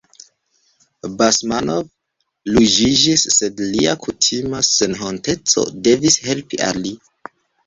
Basmanov ruĝiĝis, sed lia kutima senhonteco devis helpi al li.